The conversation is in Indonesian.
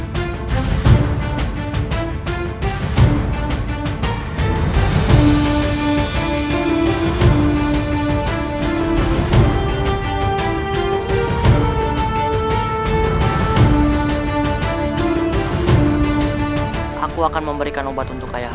sampai jumpa di video selanjutnya